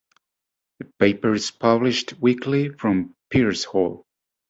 The paper is published weekly from Peirce Hall.